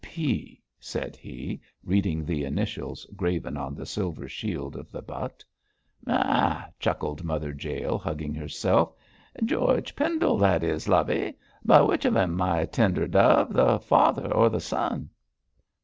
'G. P.,' said he, reading the initials graven on the silver shield of the butt. 'Ah!' chuckled Mother Jael, hugging herself. 'George Pendle that is, lovey. But which of 'em, my tender dove the father or the son?'